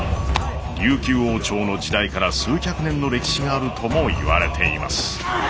琉球王朝の時代から数百年の歴史があるともいわれています。